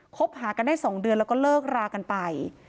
คบหากันได้๒เดือนแล้วก็เลิกรากันไป